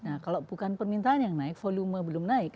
nah kalau bukan permintaan yang naik volume belum naik